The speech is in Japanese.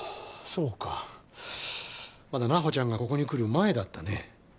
そうかまだ菜穂ちゃんがここに来る前だったね